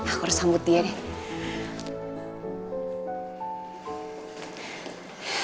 aku harus sambut dia deh